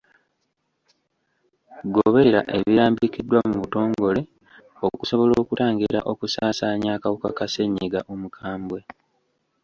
Goberera ebirambikiddwa mu butongole okusobola okutangira okusaasaanya akawuka ka ssenyiga omukambwe.